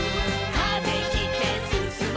「風切ってすすもう」